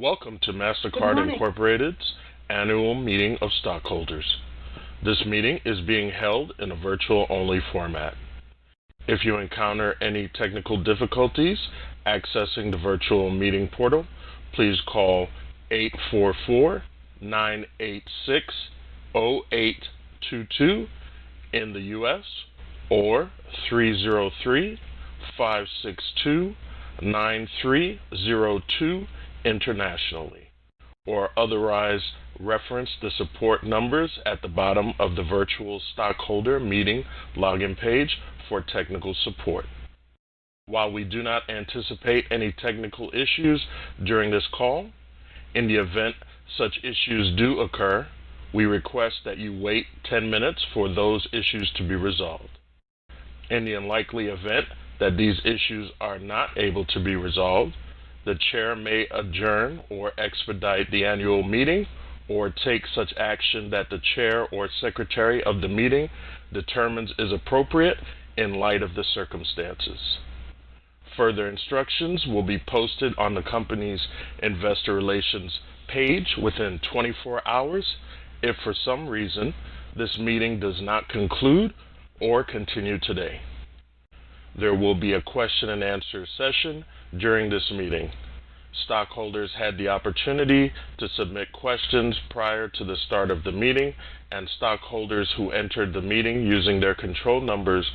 Welcome to Mastercard Incorporated's Annual Meeting of Stockholders. This meeting is being held in a virtual-only format. If you encounter any technical difficulties accessing the virtual meeting portal please call 844-986-0822 in the U.S., or 303-562-9302 internationally, or otherwise, reference the support numbers at the bottom of the virtual stockholder meeting login page for technical support. While we do not anticipate any technical issues during this call, in the event such issues do occur, we request that you wait 10 minutes for those issues to be resolved. In the unlikely event that these issues are not able to be resolved, the chair may adjourn or expedite the annual meeting or take such action that the chair or secretary of the meeting determines is appropriate in light of the circumstances. Further instructions will be posted on the company's investor relations page within 24 hours if for some reason this meeting does not conclude or continue today. There will be a question and answer session during this meeting. Stockholders had the opportunity to submit questions prior to the start of the meeting, and stockholders who entered the meeting using their control numbers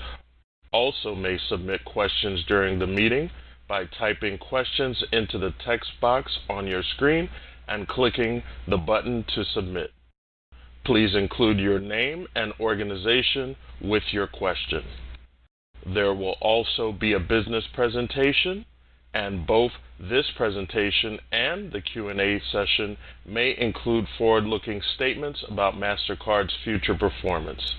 also may submit questions during the meeting by typing questions into the text box on your screen and clicking the button to submit. Please include your name and organization with your question. There will also be a business presentation, and both this presentation and the Q&A session may include forward-looking statements about Mastercard's future performance.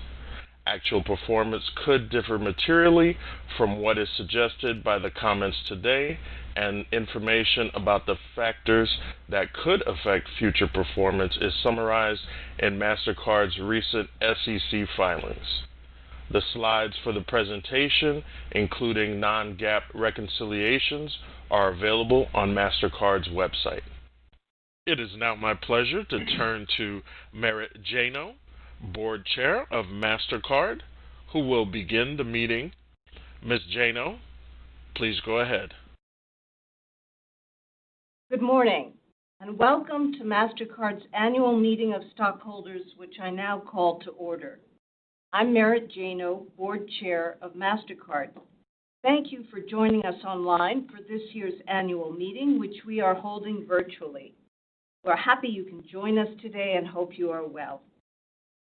Actual performance could differ materially from what is suggested by the comments today, and information about the factors that could affect future performance is summarized in Mastercard's recent SEC filings. The slides for the presentation, including non-GAAP reconciliations, are available on Mastercard's website. It is now my pleasure to turn to Merit Janow, Board Chair of Mastercard, who will begin the meeting. Ms. Janow, please go ahead. Good morning, welcome to Mastercard's Annual Meeting of Stockholders, which I now call to order. I'm Merit Janow, Board Chair of Mastercard. Thank you for joining us online for this year's annual meeting, which we are holding virtually. We're happy you can join us today, and hope you are well.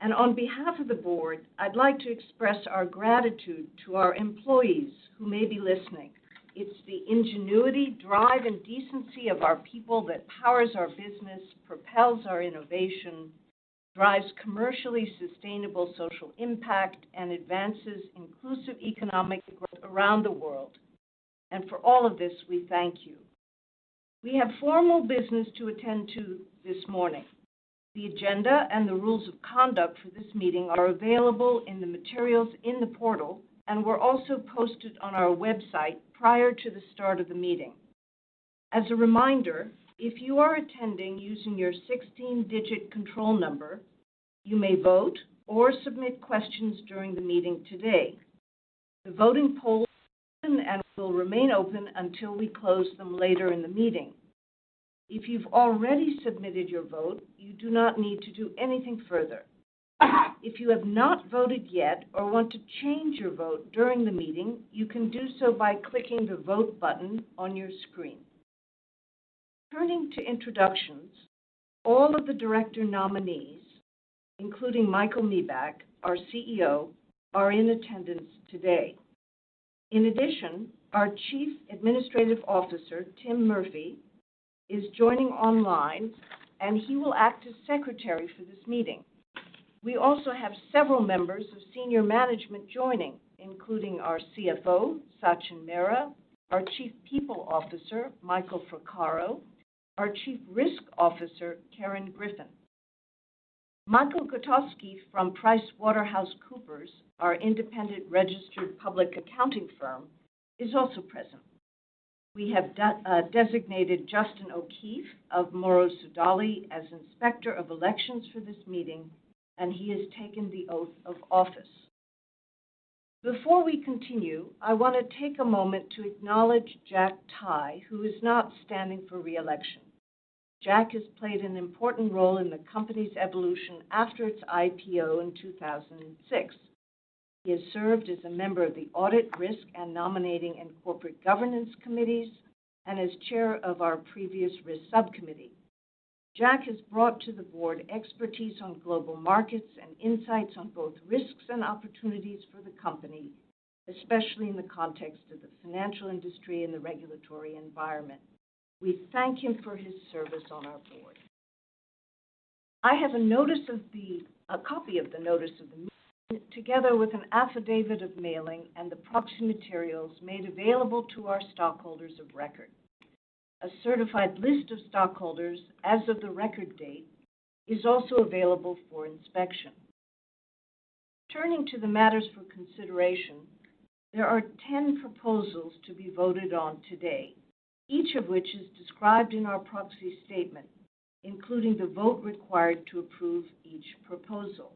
On behalf of the board, I'd like to express our gratitude to our employees who may be listening. It's the ingenuity, drive, and decency of our people that powers our business, propels our innovation, drives commercially sustainable social impact, and advances inclusive economic growth around the world. For all of this, we thank you. We have formal business to attend to this morning. The agenda and the rules of conduct for this meeting are available in the materials in the portal, and were also posted on our website prior to the start of the meeting. As a reminder, if you are attending using your 16-digit control number, you may vote or submit questions during the meeting today. The voting polls are open and will remain open until we close them later in the meeting. If you've already submitted your vote, you do not need to do anything further. If you have not voted yet or want to change your vote during the meeting, you can do so by clicking the Vote button on your screen. Turning to introductions, all of the director nominees, including Michael Miebach, our CEO, are in attendance today. In addition, our Chief Administrative Officer, Tim Murphy, is joining online, and he will act as secretary for this meeting. We also have several members of senior management joining, including our CFO, Sachin Mehra, our Chief People Officer, Michael Fraccaro, our Chief Risk Officer, Karen Griffin. Michael Gutowski from PricewaterhouseCoopers, our independent registered public accounting firm, is also present. We have designated Justin O'Keefe of Morrow Sodali as Inspector of Elections for this meeting, and he has taken the oath of office. Before we continue, I want to take a moment to acknowledge Jack Tai, who is not standing for re-election. Jack has played an important role in the company's evolution after its IPO in 2006. He has served as a member of the Audit, Risk, and Nominating and Corporate Governance Committees, and as chair of our previous risk subcommittee. Jack has brought to the board expertise on global markets and insights on both risks and opportunities for the company, especially in the context of the financial industry and the regulatory environment. We thank him for his service on our board. I have a copy of the notice of the, together with an affidavit of mailing and the proxy materials made available to our stockholders of record. A certified list of stockholders as of the record date, is also available for inspection. Turning to the matters for consideration, there are 10 proposals to be voted on today, each of which is described in our proxy statement, including the vote required to approve each proposal.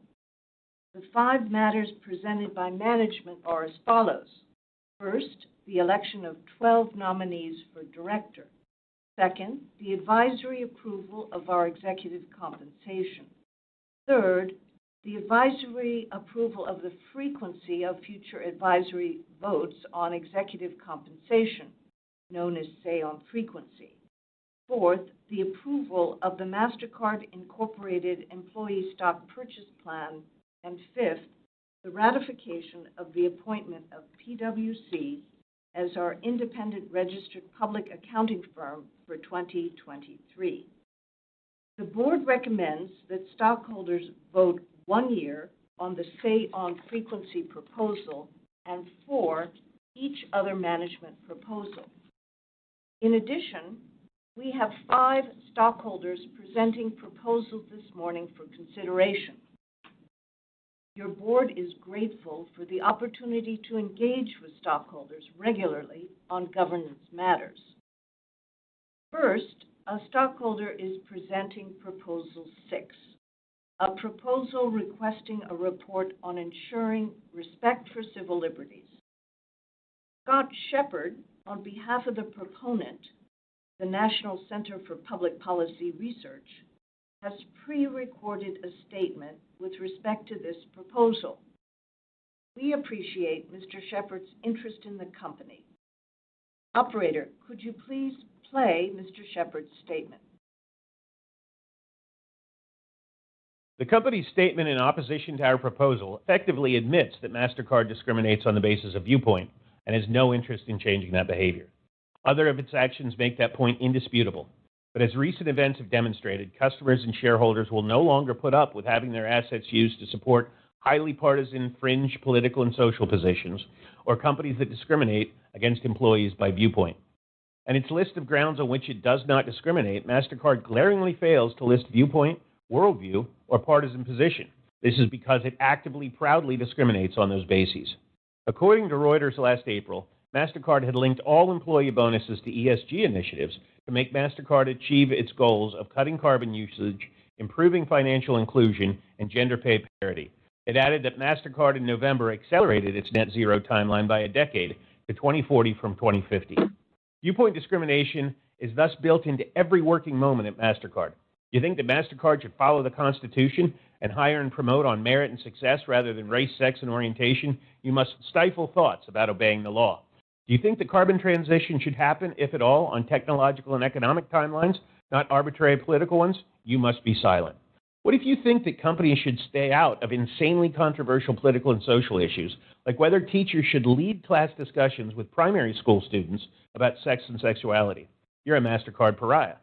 The five matters presented by management are as follows: First, the election of 12 nominees for director. Second, the advisory approval of our executive compensation. Third, the advisory approval of the frequency of future advisory votes on executive compensation, known as say-on-frequency. Fourth, the approval of the Mastercard Incorporated Employee Stock Purchase Plan. Fifth, the ratification of the appointment of PwC as our independent registered public accounting firm for 2023. The board recommends that stockholders vote one year on the say-on-frequency proposal and for each other management proposal. In addition, we have five stockholders presenting proposals this morning for consideration. Your board is grateful for the opportunity to engage with stockholders regularly on governance matters. First, a stockholder is presenting proposal six, a proposal requesting a report on ensuring respect for civil liberties. Scott Shepard, on behalf of the proponent, the National Center for Public Policy Research, has pre-recorded a statement with respect to this proposal. We appreciate Mr. Shepard's interest in the company. Operator, could you please play Mr. Shepard's statement? The company's statement in opposition to our proposal effectively admits that Mastercard discriminates on the basis of viewpoint and has no interest in changing that behavior. Other of its actions make that point indisputable, but as recent events have demonstrated, customers and shareholders will no longer put up with having their assets used to support highly partisan, fringe political and social positions, or companies that discriminate against employees by viewpoint. In its list of grounds on which it does not discriminate, Mastercard glaringly fails to list viewpoint, worldview, or partisan position. This is because it actively, proudly discriminates on those bases. According to Reuters last April, Mastercard had linked all employee bonuses to ESG initiatives to make Mastercard achieve its goals of cutting carbon usage, improving financial inclusion, and gender pay parity. It added that Mastercard, in November, accelerated its net zero timeline by a decade to 2040 from 2050. Viewpoint discrimination is thus built into every working moment at Mastercard. You think that Mastercard should follow the Constitution and hire and promote on merit and success rather than race, sex, and orientation? You must stifle thoughts about obeying the law. Do you think the carbon transition should happen, if at all, on technological and economic timelines, not arbitrary political ones? You must be silent. What if you think that companies should stay out of insanely controversial political and social issues, like whether teachers should lead class discussions with primary school students about sex and sexuality? You're a Mastercard pariah.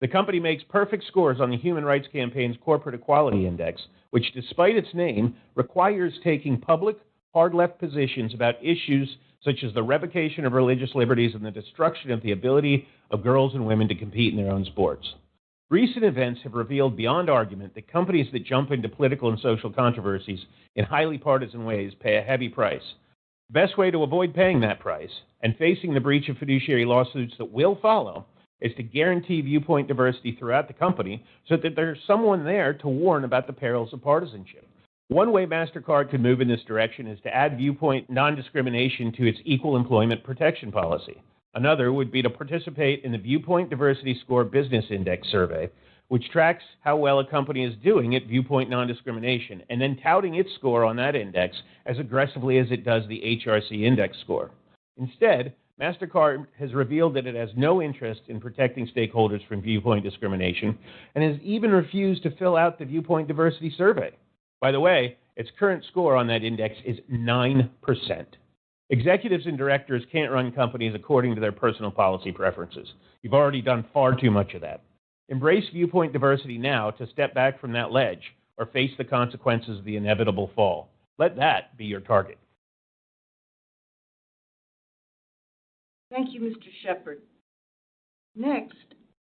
The company makes perfect scores on the Human Rights Campaign's Corporate Equality Index, which despite its name, requires taking public hard left positions about issues such as the revocation of religious liberties and the destruction of the ability of girls and women to compete in their own sports. Recent events have revealed beyond argument that companies that jump into political and social controversies in highly partisan ways pay a heavy price. The best way to avoid paying that price and facing the breach of fiduciary lawsuits that will follow, is to guarantee viewpoint diversity throughout the company, so that there's someone there to warn about the perils of partisanship. One way Mastercard could move in this direction is to add viewpoint non-discrimination to its Equal Employment Opportunity Policy. Another would be to participate in the Viewpoint Diversity Score Business Index survey, which tracks how well a company is doing at viewpoint non-discrimination, and then touting its score on that index as aggressively as it does the HRC index score. Instead, Mastercard has revealed that it has no interest in protecting stakeholders from viewpoint discrimination and has even refused to fill out the Viewpoint Diversity survey. By the way, its current score on that index is 9%. Executives and directors can't run companies according to their personal policy preferences. You've already done far too much of that. Embrace viewpoint diversity now to step back from that ledge or face the consequences of the inevitable fall. Let that be your target. Thank you, Mr. Shepard. Next,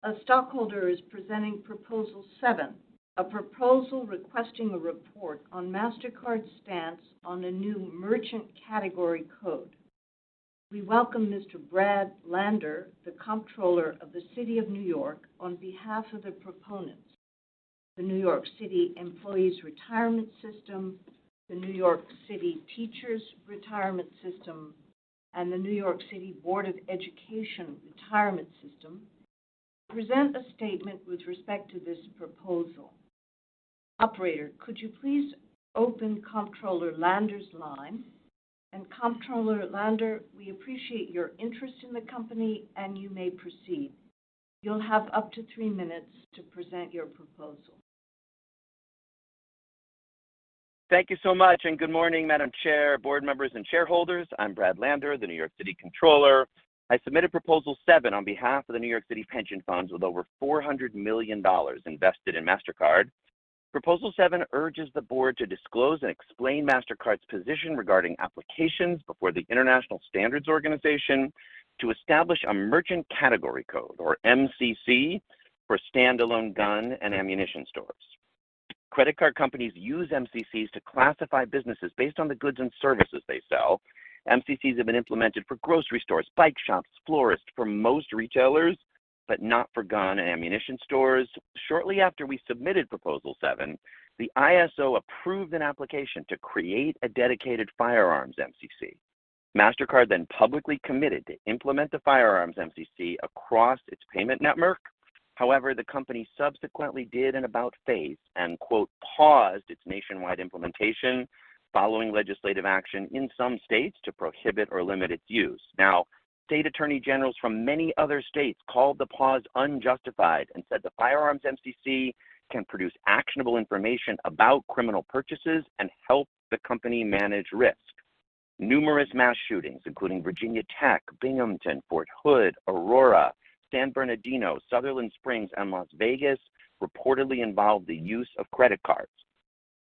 a stockholder is presenting Proposal VII, a proposal requesting a report on Mastercard's stance on a new merchant category code. We welcome Mr. Brad Lander, the Comptroller of the City of New York, on behalf of the proponents, the New York City Employees' Retirement System, the New York City Teachers Retirement System, and the New York City Board of Education Retirement System, to present a statement with respect to this proposal. Operator, could you please open Comptroller Lander's line? Comptroller Lander, we appreciate your interest in the company, and you may proceed. You'll have up to three minutes to present your proposal. Thank you so much. Good morning, Madam Chair, board members, and shareholders. I'm Brad Lander, the New York City Comptroller. I submitted Proposal VII on behalf of the New York City pension funds, with over $400 million invested in Mastercard. Proposal VII urges the board to disclose and explain Mastercard's position regarding applications before the International Standards Organization to establish a merchant category code, or MCC, for standalone gun and ammunition stores. Credit card companies use MCCs to classify businesses based on the goods and services they sell. MCCs have been implemented for grocery stores, bike shops, florists, for most retailers, not for gun and ammunition stores. Shortly after we submitted Proposal VII, the ISO approved an application to create a dedicated firearms MCC. Mastercard publicly committed to implement the firearms MCC across its payment network. The company subsequently did an about-face and, quote, "paused" its nationwide implementation following legislative action in some states to prohibit or limit its use. State attorney generals from many other states called the pause unjustified and said the firearms MCC can produce actionable information about criminal purchases and help the company manage risk. Numerous mass shootings, including Virginia Tech, Binghamton, Fort Hood, Aurora, San Bernardino, Sutherland Springs, and Las Vegas, reportedly involved the use of credit cards.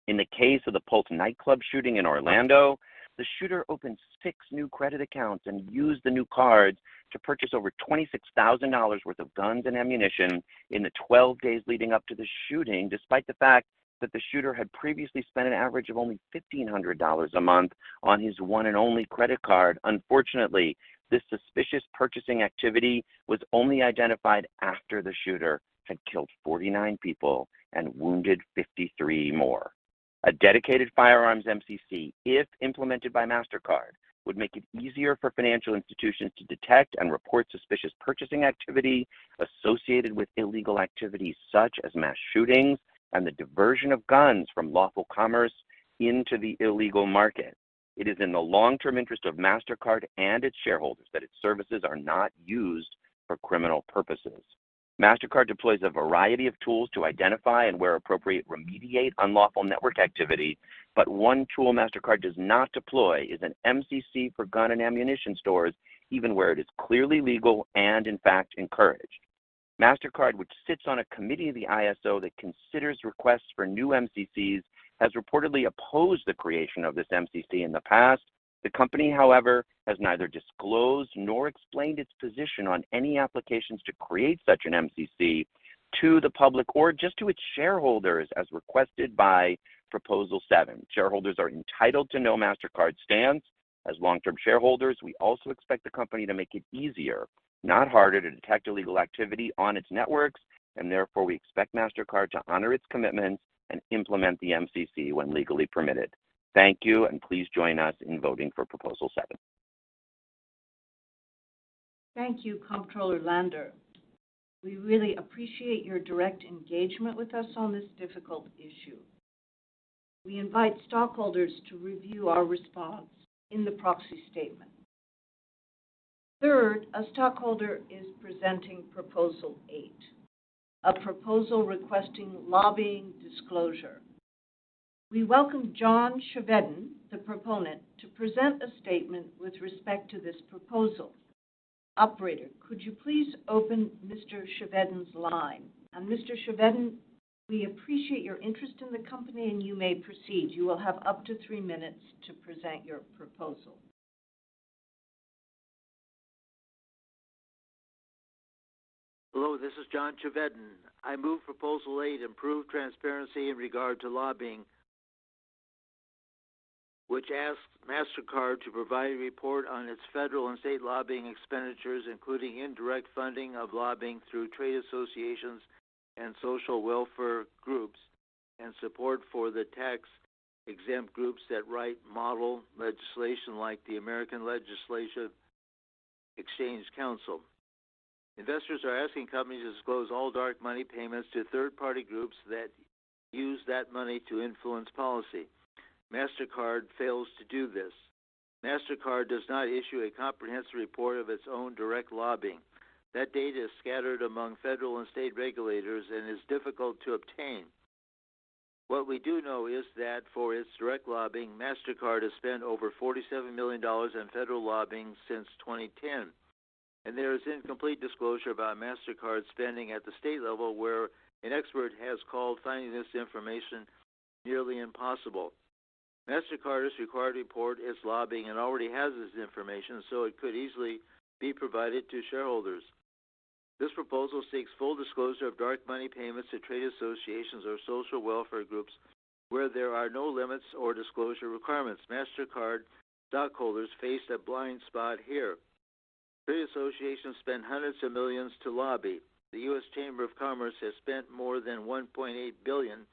In the case of the Pulse nightclub shooting in Orlando, the shooter opened six new credit accounts and used the new cards to purchase over $26,000 worth of guns and ammunition in the 12 days leading up to the shooting, despite the fact that the shooter had previously spent an average of only $1,500 a month on his one and only credit card. Unfortunately, this suspicious purchasing activity was only identified after the shooter had killed 49 people and wounded 53 more. A dedicated firearms MCC, if implemented by Mastercard, would make it easier for financial institutions to detect and report suspicious purchasing activity associated with illegal activities such as mass shootings and the diversion of guns from lawful commerce into the illegal market. It is in the long-term interest of Mastercard and its shareholders that its services are not used for criminal purposes. Mastercard deploys a variety of tools to identify and, where appropriate, remediate unlawful network activity, but one tool Mastercard does not deploy is an MCC for gun and ammunition stores, even where it is clearly legal and in fact, encouraged. Mastercard, which sits on a committee of the ISO that considers requests for new MCCs, has reportedly opposed the creation of this MCC in the past. The company, however, has neither disclosed nor explained its position on any applications to create such an MCC to the public or just to its shareholders, as requested by Proposal VII. Shareholders are entitled to know Mastercard's stance. As long-term shareholders, we also expect the company to make it easier, not harder, to detect illegal activity on its networks, and therefore, we expect Mastercard to honor its commitments and implement the MCC when legally permitted. Thank you. Please join us in voting for Proposal VII. Thank you, Comptroller Lander. We really appreciate your direct engagement with us on this difficult issue. We invite stockholders to review our response in the proxy statement. Third, a stockholder is presenting Proposal VIII, a proposal requesting lobbying disclosure. We welcome John Chevedden, the proponent, to present a statement with respect to this proposal. Operator, could you please open Mr. Chevedden's line? Mr. Chevedden, we appreciate your interest in the company, and you may proceed. You will have up to three minutes to present your proposal. Hello, this is John Chevedden. I move Proposal VIII, improve transparency in regard to lobbying, which asks Mastercard to provide a report on its federal and state lobbying expenditures, including indirect funding of lobbying through trade associations and social welfare groups, and support for the tax-exempt groups that write model legislation like the American Legislative Exchange Council. Investors are asking companies to disclose all dark money payments to third-party groups that use that money to influence policy. Mastercard fails to do this. Mastercard does not issue a comprehensive report of its own direct lobbying. That data is scattered among federal and state regulators and is difficult to obtain. What we do know is that for its direct lobbying, Mastercard has spent over $47 million on federal lobbying since 2010, and there is incomplete disclosure about Mastercard's spending at the state level, where an expert has called finding this information nearly impossible. Mastercard is required to report its lobbying and already has this information, so it could easily be provided to shareholders. This proposal seeks full disclosure of dark money payments to trade associations or social welfare groups where there are no limits or disclosure requirements. Mastercard stockholders face a blind spot here. Trade associations spend hundreds of millions to lobby. The U.S. Chamber of Commerce has spent more than $1.8 billion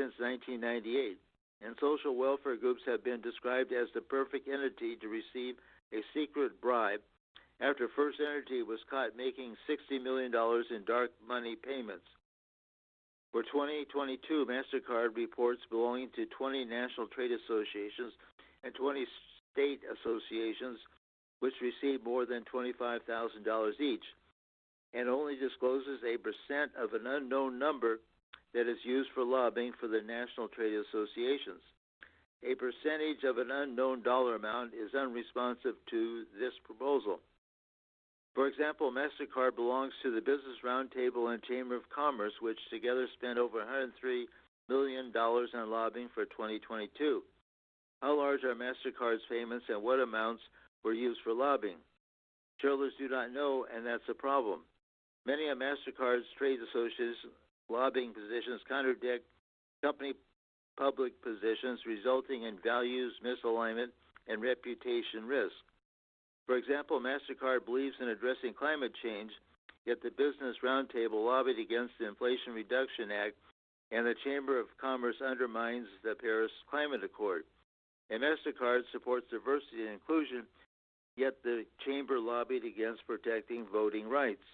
since 1998, and social welfare groups have been described as the perfect entity to receive a secret bribe after FirstEnergy was caught making $60 million in dark money payments. For 2022, Mastercard reports belonging to 20 national trade associations and 20 state associations, which receive more than $25,000 each and only discloses a % of an unknown number that is used for lobbying for the national trade associations. A % of an unknown dollar amount is unresponsive to this proposal. For example, Mastercard belongs to the Business Roundtable and Chamber of Commerce, which together spent over $103 million on lobbying for 2022. How large are Mastercard's payments, and what amounts were used for lobbying? Shareholders do not know, and that's a problem. Many of Mastercard's trade associates' lobbying positions contradict company public positions, resulting in values misalignment and reputation risk. For example, Mastercard believes in addressing climate change, yet the Business Roundtable lobbied against the Inflation Reduction Act, and the Chamber of Commerce undermines the Paris Climate Accord. Mastercard supports diversity and inclusion, yet the Chamber lobbied against protecting voting rights.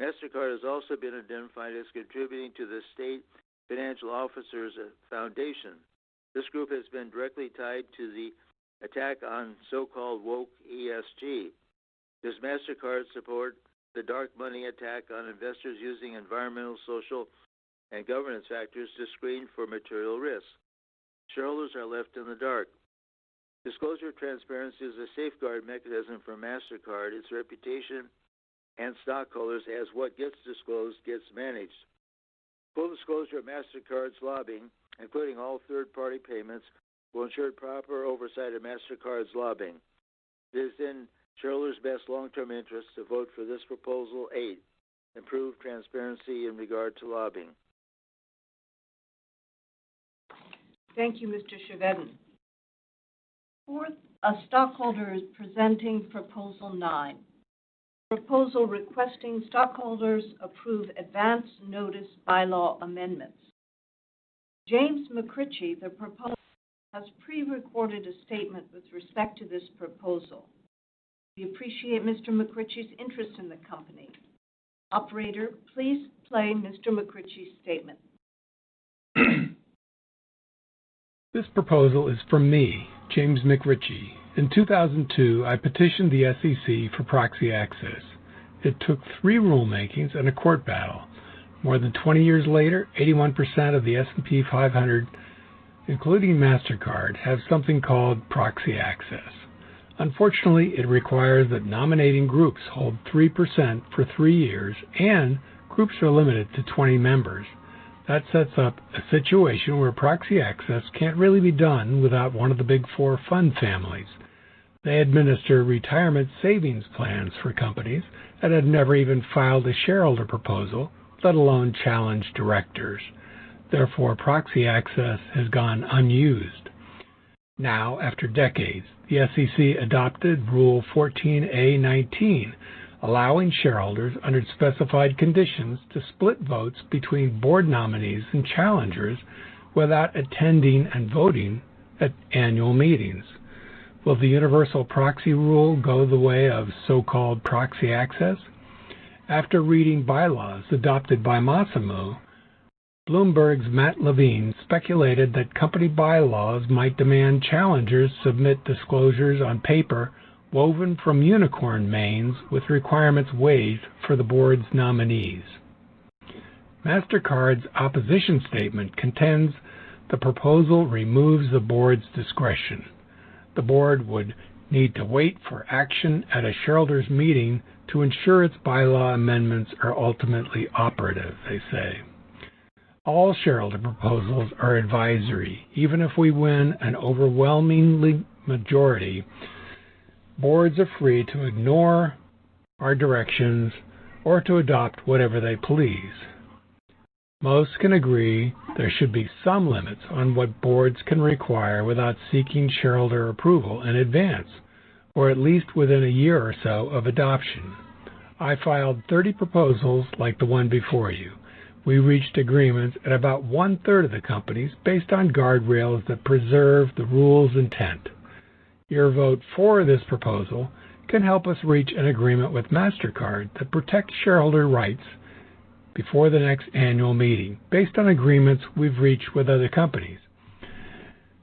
Mastercard has also been identified as contributing to the State Financial Officers Foundation. This group has been directly tied to the attack on so-called woke ESG. Does Mastercard support the dark money attack on investors using environmental, social, and governance factors to screen for material risks? Shareholders are left in the dark. Disclosure transparency is a safeguard mechanism for Mastercard, its reputation, and stockholders, as what gets disclosed gets managed. Full disclosure of Mastercard's lobbying, including all third-party payments, will ensure proper oversight of Mastercard's lobbying. It is in shareholders' best long-term interest to vote for this Proposal VIII: Improve transparency in regard to lobbying. Thank you, Mr. Chevedden. Fourth, a stockholder is presenting Proposal IX, a proposal requesting stockholders approve advance notice bylaw amendments. James McRitchie, the proposer, has pre-recorded a statement with respect to this proposal. We appreciate Mr. McRitchie's interest in the company. Operator, please play Mr. McRitchie's statement. This proposal is from me, James McRitchie. In 2002, I petitioned the SEC for proxy access. It took three rulemakings and a court battle. More than 20 years later, 81% of the S&P 500, including Mastercard, have something called proxy access. Unfortunately, it requires that nominating groups hold 3% for three years, and groups are limited to 20 members. That sets up a situation where proxy access can't really be done without one of the Big Four fund families. They administer retirement savings plans for companies that have never even filed a shareholder proposal, let alone challenge directors. Therefore, proxy access has gone unused. Now, after decades, the SEC adopted Rule 14a-19, allowing shareholders, under specified conditions, to split votes between board nominees and challengers without attending and voting at annual meetings. Will the universal proxy rule go the way of so-called proxy access? After reading bylaws adopted by Masimo, Bloomberg's Matt Levine speculated that company bylaws might demand challengers submit disclosures on paper woven from unicorn manes, with requirements waived for the board's nominees. Mastercard's opposition statement contends the proposal removes the board's discretion. The board would need to wait for action at a shareholders' meeting to ensure its bylaw amendments are ultimately operative, they say. All shareholder proposals are advisory. Even if we win an overwhelmingly majority, boards are free to ignore our directions or to adopt whatever they please. Most can agree there should be some limits on what boards can require without seeking shareholder approval in advance, or at least within a year or so of adoption. I filed 30 proposals like the one before you. We reached agreements at about one-third of the companies based on guardrails that preserve the rule's intent. Your vote for this proposal can help us reach an agreement with Mastercard that protects shareholder rights before the next annual meeting, based on agreements we've reached with other companies.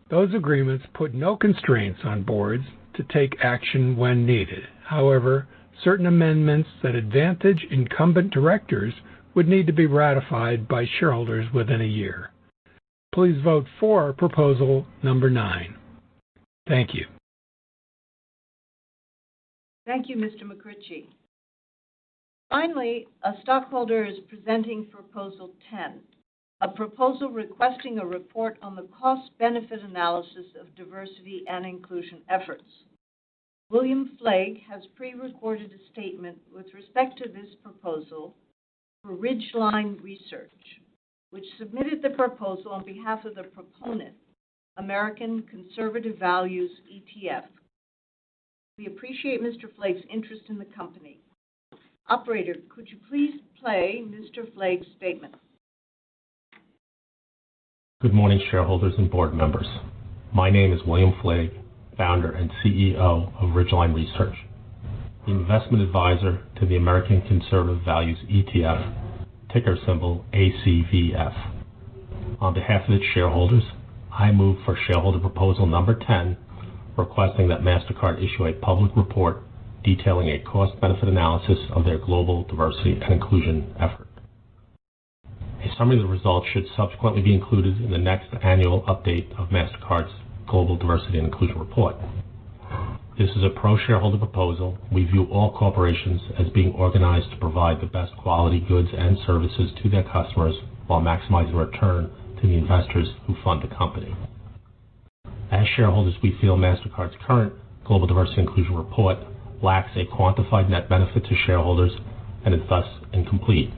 Those agreements put no constraints on boards to take action when needed. However, certain amendments that advantage incumbent directors would need to be ratified by shareholders within a year. Please vote for proposal number nine. Thank you. Thank you, Mr. McRitchie. Finally, a stockholder is presenting Proposal X, a proposal requesting a report on the cost-benefit analysis of diversity and inclusion efforts. William Flaig has pre-recorded a statement with respect to this proposal for Ridgeline Research, which submitted the proposal on behalf of the proponent, American Conservative Values ETF. We appreciate Mr. Flaig's interest in the company. Operator, could you please play Mr. Flaig's statement? Good morning, shareholders and board members. My name is William Flaig, Founder and CEO of Ridgeline Research, the investment advisor to the American Conservative Values ETF, ticker symbol ACVF. On behalf of its shareholders, I move for shareholder proposal number 10 , requesting that Mastercard issue a public report detailing a cost-benefit analysis of their global diversity and inclusion effort. A summary of the results should subsequently be included in the next annual update of Mastercard's Global Diversity and Inclusion Report. This is a pro-shareholder proposal. We view all corporations as being organized to provide the best quality goods and services to their customers while maximizing return to the investors who fund the company....As shareholders, we feel Mastercard's current Global Diversity Inclusion Report lacks a quantified net benefit to shareholders and is thus incomplete.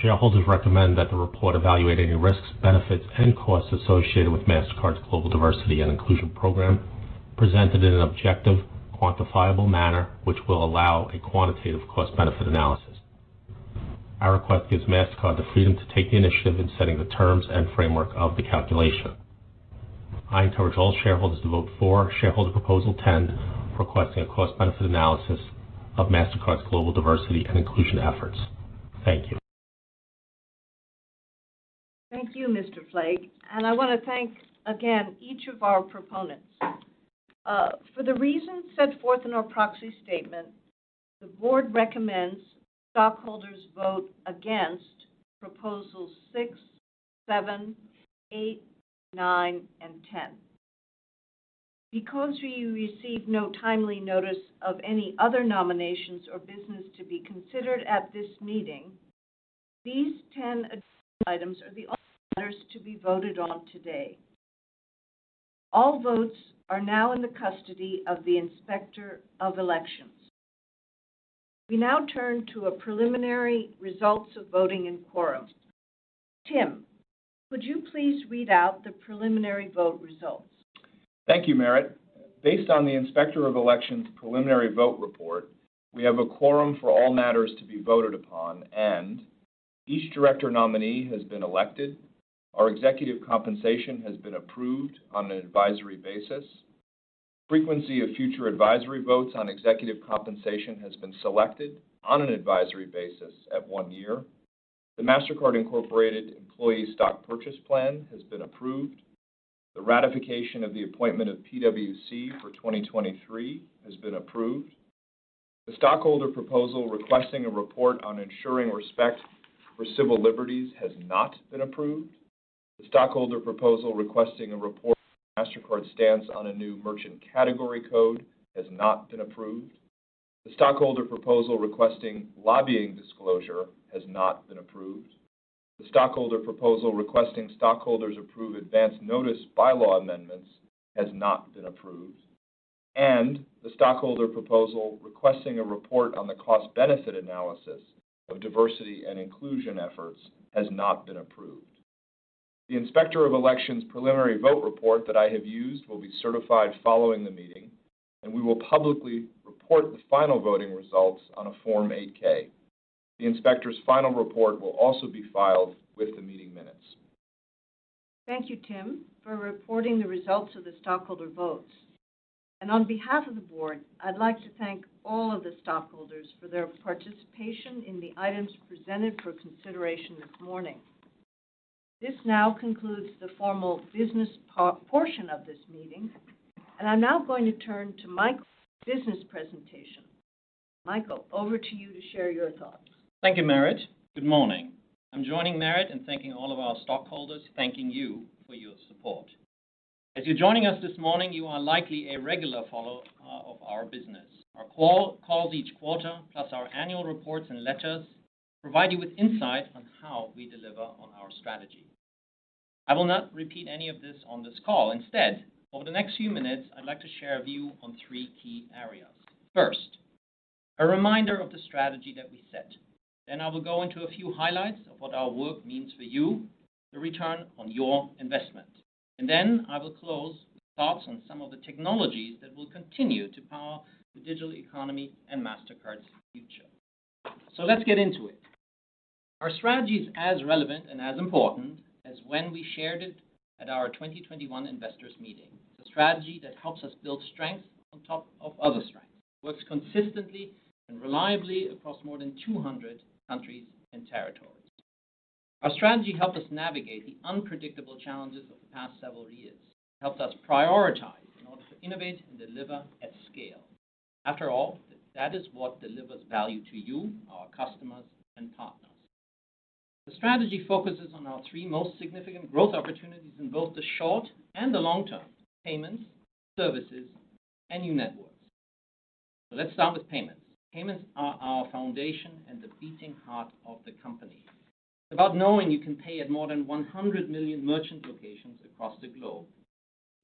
Shareholders recommend that the report evaluate any risks, benefits, and costs associated with Mastercard's Global Diversity and Inclusion Program, presented in an objective, quantifiable manner, which will allow a quantitative cost-benefit analysis. Our request gives Mastercard the freedom to take the initiative in setting the terms and framework of the calculation. I encourage all shareholders to vote for Shareholder Proposal X, requesting a cost-benefit analysis of Mastercard's global diversity and inclusion efforts. Thank you. Thank you, Mr. Flaig, and I want to thank again each of our proponents. For the reasons set forth in our proxy statement, the board recommends stockholders vote against Proposals VI, VII, VIII, IX and X Because we received no timely notice of any other nominations or business to be considered at this meeting, these 10 items are the only others to be voted on today. All votes are now in the custody of the Inspector of Elections. We now turn to a preliminary results of voting in quorum. Tim, would you please read out the preliminary vote results? Thank you, Merit. Based on the Inspector of Election's preliminary vote report, we have a quorum for all matters to be voted upon, and each director nominee has been elected. Our executive compensation has been approved on an advisory basis. Frequency of future advisory votes on executive compensation has been selected on an advisory basis at one year. The Mastercard Incorporated Employee Stock Purchase Plan has been approved. The ratification of the appointment of PwC for 2023 has been approved. The stockholder proposal requesting a report on ensuring respect for civil liberties has not been approved. The stockholder proposal requesting a report on Mastercard's stance on a new merchant category code has not been approved. The stockholder proposal requesting lobbying disclosure has not been approved. The stockholder proposal requesting stockholders approve advanced notice bylaws amendments has not been approved, and the stockholder proposal requesting a report on the cost-benefit analysis of diversity and inclusion efforts has not been approved. The Inspector of Election's preliminary vote report that I have used will be certified following the meeting, and we will publicly report the final voting results on a Form 8-K. The inspector's final report will also be filed with the meeting minutes. Thank you, Tim, for reporting the results of the stockholder votes. On behalf of the board, I'd like to thank all of the stockholders for their participation in the items presented for consideration this morning. This now concludes the formal business portion of this meeting, and I'm now going to turn to Michael for the business presentation. Michael, over to you to share your thoughts. Thank you, Merit. Good morning. I'm joining Merit in thanking all of our stockholders, thanking you for your support. If you're joining us this morning, you are likely a regular follower of our business. Our calls each quarter, plus our annual reports and letters, provide you with insight on how we deliver on our strategy. I will not repeat any of this on this call. Instead, over the next few minutes, I'd like to share a view on three key areas. First, a reminder of the strategy that we set. I will go into a few highlights of what our work means for you, the return on your investment. I will close with thoughts on some of the technologies that will continue to power the digital economy and Mastercard's future. Let's get into it. Our strategy is as relevant and as important as when we shared it at our 2021 investors meeting. It's a strategy that helps us build strength on top of other strengths, works consistently and reliably across more than 200 countries and territories. Our strategy helped us navigate the unpredictable challenges of the past several years. It helped us prioritize in order to innovate and deliver at scale. After all, that is what delivers value to you, our customers and partners. The strategy focuses on our three most significant growth opportunities in both the short and the long term: payments, services, and new networks. Let's start with payments. Payments are our foundation and the beating heart of the company. It's about knowing you can pay at more than 100 million merchant locations across the globe.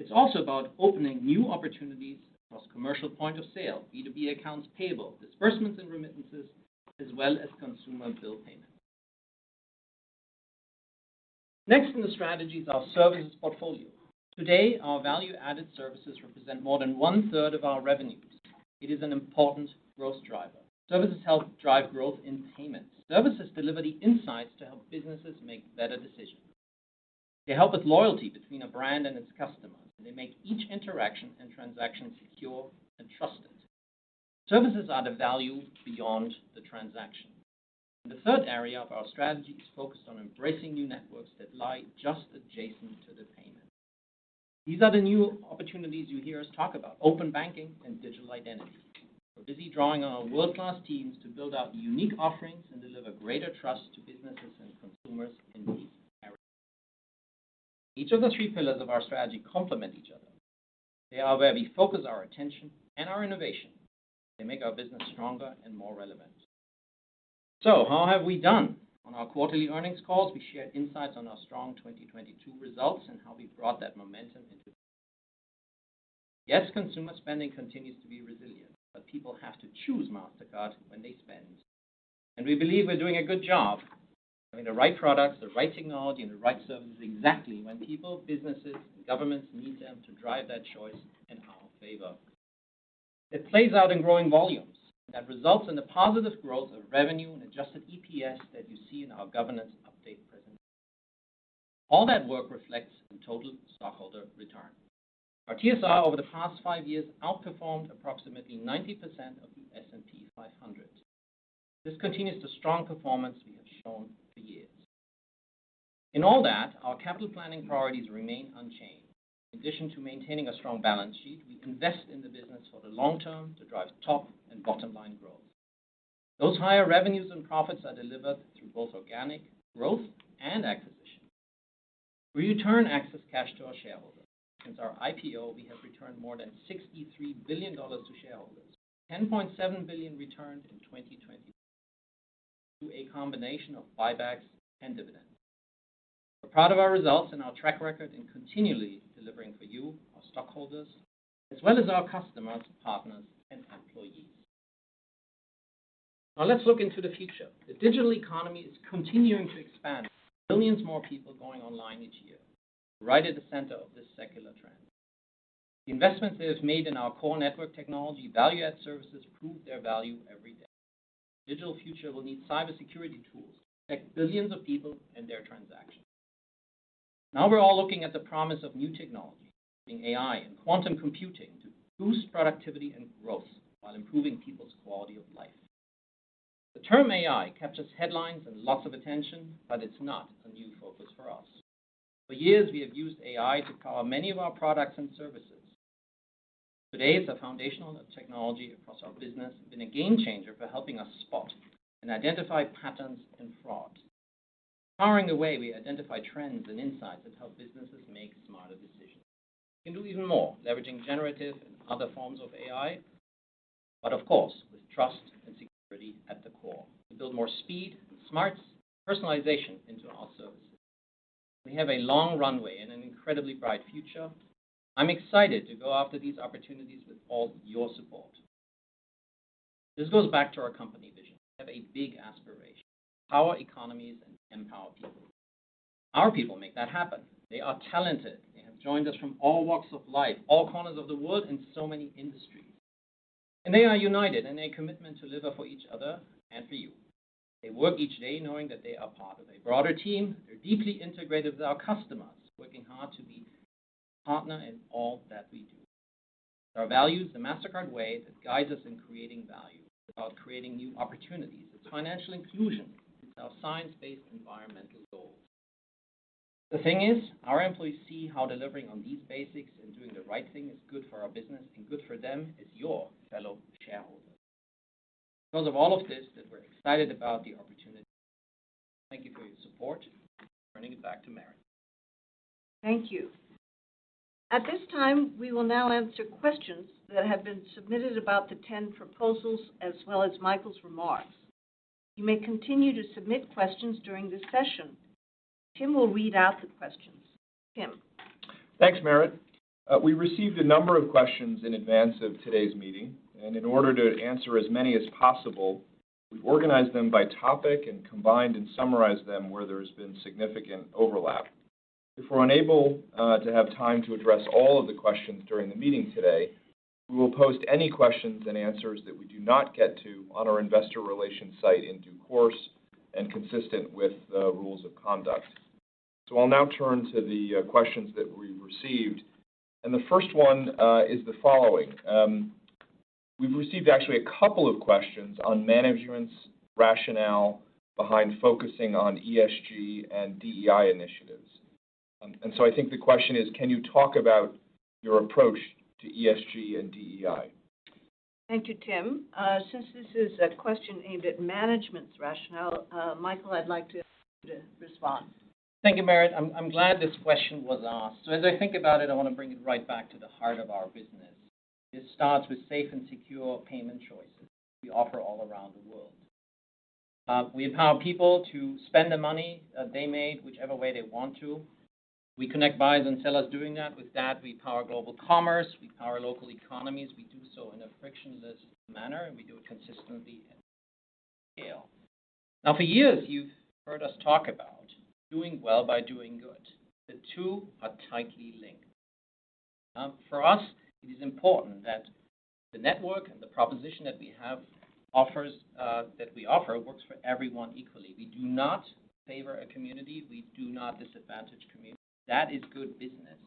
It's also about opening new opportunities across commercial point of sale, B2B accounts payable, disbursements and remittances, as well as consumer bill payment. Next in the strategy is our services portfolio. Today, our value-added services represent more than one-third of our revenues. It is an important growth driver. Services help drive growth in payments. Services deliver the insights to help businesses make better decisions. They help with loyalty between a brand and its customer, and they make each interaction and transaction secure and trusted. Services are the value beyond the transaction. The third area of our strategy is focused on embracing new networks that lie just adjacent to the payment. These are the new opportunities you hear us talk about: open banking and digital identity. We're busy drawing on our world-class teams to build out unique offerings and deliver greater trust to businesses and consumers in these areas. Each of the three pillars of our strategy complement each other. They are where we focus our attention and our innovation. They make our business stronger and more relevant. How have we done? On our quarterly earnings calls, we shared insights on our strong 2022 results and how we brought that momentum. Yes, consumer spending continues to be resilient, but people have to choose Mastercard when they spend. We believe we're doing a good job, having the right products, the right technology, and the right services exactly when people, businesses, and governments need them to drive that choice in our favor. It plays out in growing volumes that results in the positive growth of revenue and adjusted EPS that you see in our governance update presentation. All that work reflects in total stockholder return. Our TSR over the past five years outperformed approximately 90% of the S&P 500. This continues the strong performance we have shown for years. In all that, our capital planning priorities remain unchanged. In addition to maintaining a strong balance sheet, we invest in the business for the long term to drive top and bottom-line growth. Those higher revenues and profits are delivered through both organic growth and acquisition. We return excess cash to our shareholders. Since our IPO, we have returned more than $63 billion to shareholders, $10.7 billion returned in 2022, through a combination of buybacks and dividends. We're proud of our results and our track record in continually delivering for you, our stockholders, as well as our customers, partners, and employees. Now let's look into the future. The digital economy is continuing to expand, with millions more people going online each year, right at the center of this secular trend. The investments that is made in our core network technology, value-add services, prove their value every day. Digital future will need cybersecurity tools to protect billions of people and their transactions. We're all looking at the promise of new technologies, including AI and quantum computing, to boost productivity and growth while improving people's quality of life. The term AI captures headlines and lots of attention, but it's not a new focus for us. For years, we have used AI to power many of our products and services. Today, it's a foundational technology across our business and been a game changer for helping us spot and identify patterns and fraud. Powering the way we identify trends and insights that help businesses make smarter decisions. We can do even more, leveraging generative and other forms of AI, of course, with trust and security at the core. We build more speed, smarts, and personalization into our services. We have a long runway and an incredibly bright future. I'm excited to go after these opportunities with all your support. This goes back to our company vision. We have a big aspiration: to power economies and empower people. Our people make that happen. They are talented. They have joined us from all walks of life, all corners of the world, and so many industries. They are united in their commitment to deliver for each other and for you. They work each day knowing that they are part of a broader team. They're deeply integrated with our customers, working hard to be a partner in all that we do. Our values, the Mastercard Way, that guides us in creating value. It's about creating new opportunities. It's financial inclusion. It's our science-based environmental goals. The thing is, our employees see how delivering on these basics and doing the right thing is good for our business and good for them as your fellow shareholder. Of all of this, that we're excited about the opportunity. Thank you for your support. Turning it back to Merit. Thank you. At this time, we will now answer questions that have been submitted about the 10 proposals as well as Michael's remarks. You may continue to submit questions during this session. Tim will read out the questions. Tim? Thanks, Merit. We received a number of questions in advance of today's meeting, and in order to answer as many as possible, we've organized them by topic and combined and summarized them where there's been significant overlap. If we're unable to have time to address all of the questions during the meeting today, we will post any questions and answers that we do not get to on our investor relations site in due course and consistent with the rules of conduct. I'll now turn to the questions that we've received, and the first one is the following. We've received actually a couple of questions on management's rationale behind focusing on ESG and DEI initiatives. I think the question is, can you talk about your approach to ESG and DEI? Thank you, Tim. Since this is a question aimed at management's rationale, Michael, I'd like to ask you to respond. Thank you, Merit. I'm glad this question was asked. As I think about it, I want to bring it right back to the heart of our business. It starts with safe and secure payment choices we offer all around the world. We empower people to spend the money that they made, whichever way they want to. We connect buyers and sellers doing that. With that, we power global commerce, we power local economies. We do so in a frictionless manner, we do it consistently at scale. For years, you've heard us talk about doing well by doing good. The two are tightly linked. For us, it is important that the network and the proposition that we offer works for everyone equally. We do not favor a community. We do not disadvantage community. That is good business.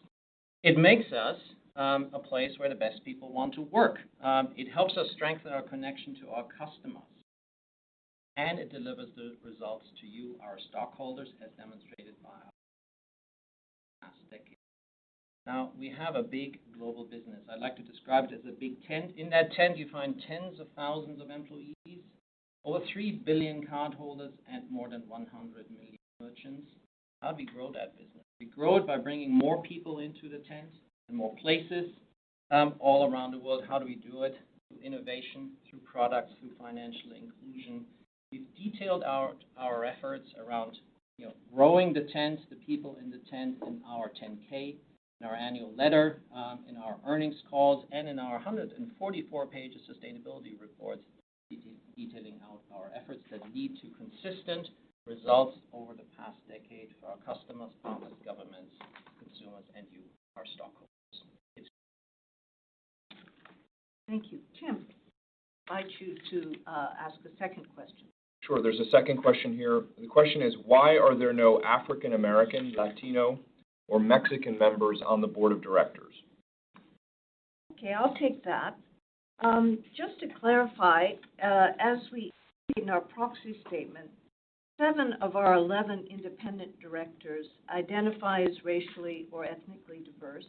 It makes us a place where the best people want to work. It helps us strengthen our connection to our customers, and it delivers the results to you, our stockholders, as demonstrated by the past decade. We have a big global business. I'd like to describe it as a big tent. In that tent, you find tens of thousands of employees, over 3 billion cardholders, and more than 100 million merchants. How do we grow that business? We grow it by bringing more people into the tent and more places all around the world. How do we do it? Through innovation, through products, through financial inclusion. We've detailed our efforts around, you know, growing the tent, the people in the tent, in our 10-K, in our annual letter, in our earnings calls, and in our 144-page sustainability report, detailing out our efforts that lead to consistent results over the past decade for our customers, partners, governments, consumers, and you, our stockholders. Thank you. Thank you. Tim, I invite you to ask a second question. Sure. There's a second question here. The question is: why are there no African American, Latino, or Mexican members on the board of directors? Okay, I'll take that. Just to clarify, as we state in our proxy statement, seven of our 11 independent directors identify as racially or ethnically diverse,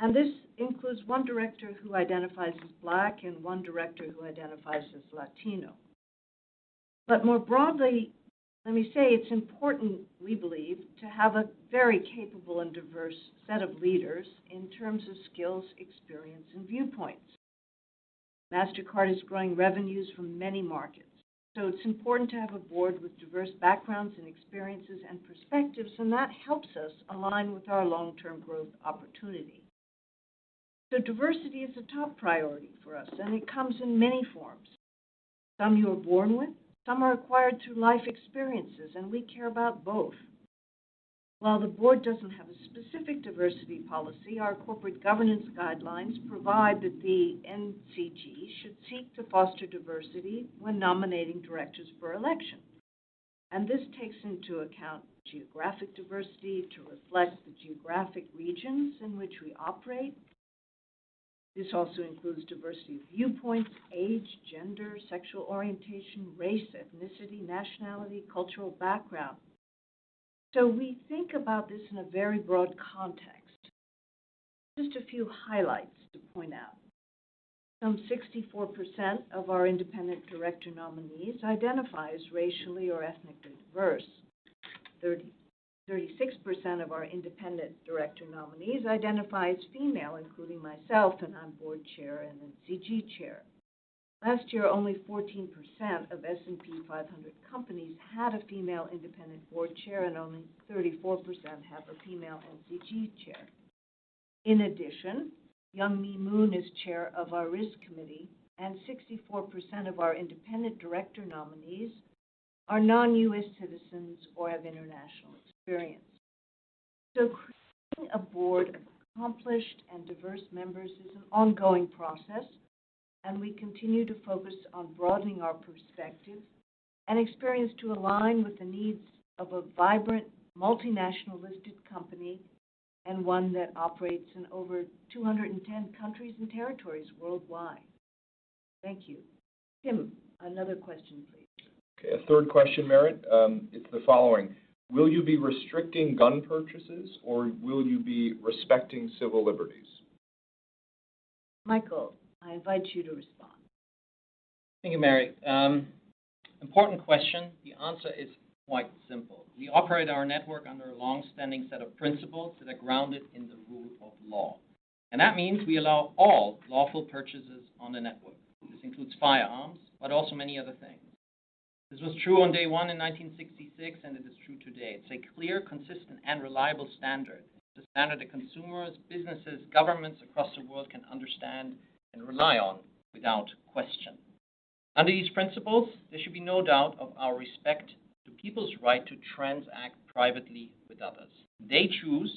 and this includes one director who identifies as black and one director who identifies as Latino. More broadly, let me say, it's important, we believe, to have a very capable and diverse set of leaders in terms of skills, experience, and viewpoints. Mastercard is growing revenues from many markets, it's important to have a board with diverse backgrounds and experiences and perspectives, and that helps us align with our long-term growth opportunity. Diversity is a top priority for us, and it comes in many forms. Some you are born with, some are acquired through life experiences, and we care about both. While the board doesn't have a specific diversity policy, our corporate governance guidelines provide that the NCG should seek to foster diversity when nominating directors for election. This takes into account geographic diversity to reflect the geographic regions in which we operate. This also includes diversity of viewpoints, age, gender, sexual orientation, race, ethnicity, nationality, cultural background. We think about this in a very broad context. Just a few highlights to point out. Some 64% of our independent director nominees identify as racially or ethnically diverse. 36% of our independent director nominees identify as female, including myself, and I'm board chair and NCG chair. Last year, only 14% of S&P 500 companies had a female independent board chair, and only 34% have a female NCG chair. Youngme Moon is chair of our risk committee, and 64% of our independent director nominees are non-U.S. citizens or have international experience. Creating a board of accomplished and diverse members is an ongoing process, and we continue to focus on broadening our perspective and experience to align with the needs of a vibrant, multinational-listed company and one that operates in over 210 countries and territories worldwide. Thank you. Tim, another question, please. Okay. A third question, Merit. It's the following: will you be restricting gun purchases, or will you be respecting civil liberties? Michael, I invite you to respond. Thank you, Merit. Important question. The answer is quite simple. We operate our network under a long-standing set of principles that are grounded in the rule of law. That means we allow all lawful purchases on the network. This includes firearms, but also many other things. This was true on day one in 1966. It is true today. It's a clear, consistent, and reliable standard. It's a standard that consumers, businesses, governments across the world can understand and rely on without question. Under these principles, there should be no doubt of our respect to people's right to transact privately with others. They choose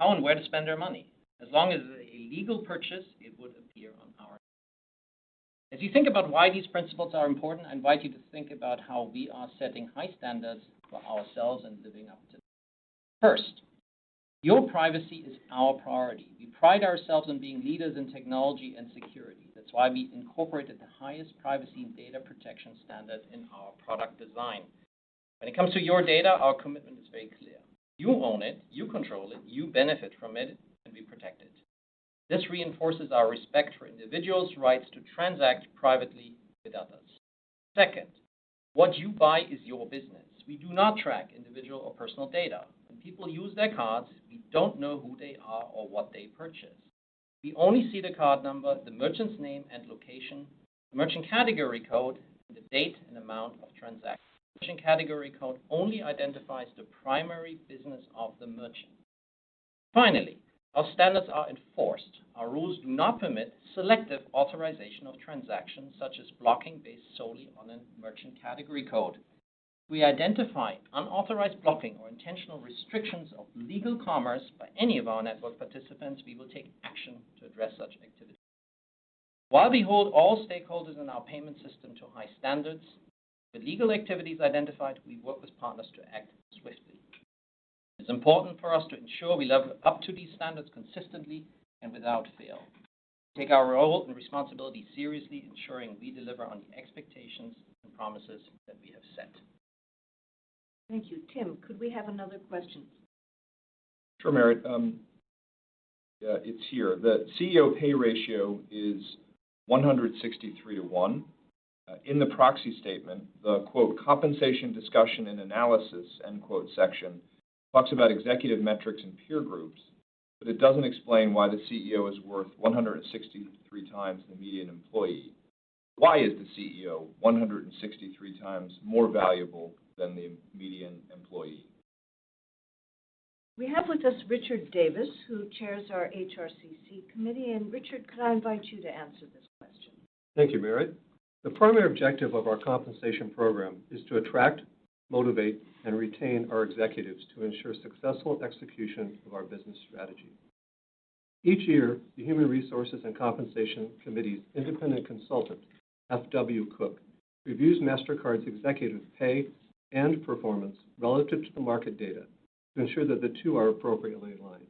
how and where to spend their money. As long as it's a legal purchase, it would appear on our end. As you think about why these principles are important, I invite you to think about how we are setting high standards for ourselves and living up to them. First, your privacy is our priority. We pride ourselves on being leaders in technology and security. That's why we incorporated the highest privacy and data protection standard in our product design. When it comes to your data, our commitment is very clear. You own it, you control it, you benefit from it, and we protect it. This reinforces our respect for individuals' rights to transact privately with others. Second, what you buy is your business. We do not track individual or personal data. When people use their cards, we don't know who they are or what they purchase. We only see the card number, the merchant's name and location, the merchant category code, and the date and amount of transaction. Merchant category code only identifies the primary business of the merchant. Finally, our standards are enforced. Our rules do not permit selective authorization of transactions, such as blocking based solely on a merchant category code. If we identify unauthorized blocking or intentional restrictions of legal commerce by any of our network participants, we will take action to address such activity. While we hold all stakeholders in our payment system to high standards, with legal activities identified, we work with partners to act swiftly. It's important for us to ensure we level up to these standards consistently and without fail. We take our role and responsibility seriously, ensuring we deliver on the expectations and promises that we have set. Thank you. Tim, could we have another question? Sure, Merit. Yeah, it's here. The CEO pay ratio is 163:1. In the proxy statement, the quote, "Compensation, discussion, and analysis," end quote, section talks about executive metrics and peer groups. It doesn't explain why the CEO is worth 163x the median employee. Why is the CEO 163x more valuable than the median employee? We have with us Richard Davis, who chairs our HRCC committee. Richard, could I invite you to answer this question? Thank you, Merit. The primary objective of our compensation program is to attract, motivate, and retain our executives to ensure successful execution of our business strategy. Each year, the Human Resources and Compensation Committee's independent consultant, FW Cook, reviews Mastercard's executive pay and performance relative to the market data to ensure that the two are appropriately aligned.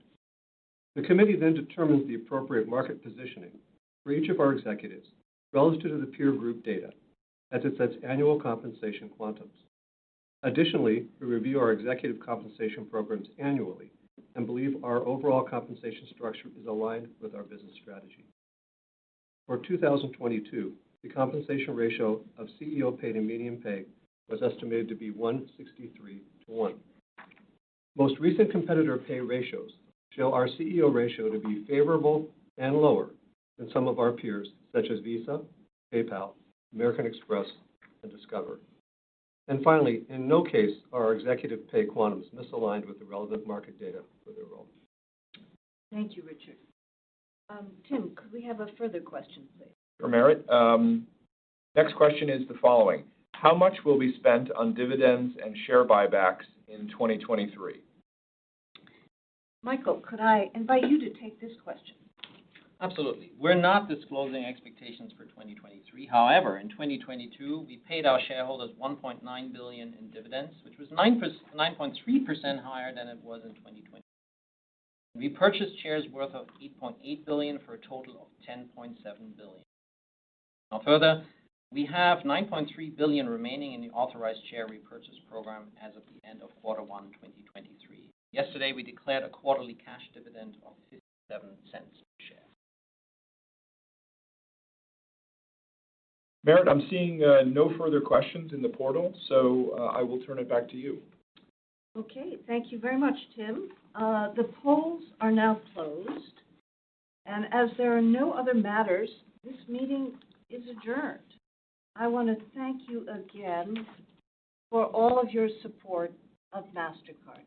The committee determines the appropriate market positioning for each of our executives relative to the peer group data as it sets annual compensation quantums. Additionally, we review our executive compensation programs annually and believe our overall compensation structure is aligned with our business strategy. For 2022, the compensation ratio of CEO pay to median pay was estimated to be 163:1. Most recent competitor pay ratios show our CEO ratio to be favorable and lower than some of our peers, such as Visa, PayPal, American Express, and Discover. Finally, in no case are our executive pay quantums misaligned with the relevant market data for their role. Thank you, Richard. Tim, could we have a further question, please? Sure, Merit. Next question is the following: How much will be spent on dividends and share buybacks in 2023? Michael, could I invite you to take this question? Absolutely. We're not disclosing expectations for 2023. However, in 2022, we paid our shareholders $1.9 billion in dividends, which was 9.3% higher than it was in 2020. We purchased shares worth of $8.8 billion, for a total of $10.7 billion. Further, we have $9.3 billion remaining in the authorized share repurchase program as of the end of Q1 2023. Yesterday, we declared a quarterly cash dividend of $0.57 per share. Merit, I'm seeing, no further questions in the portal, so, I will turn it back to you. Okay. Thank you very much, Tim. The polls are now closed, and as there are no other matters, this meeting is adjourned. I want to thank you again for all of your support of Mastercard.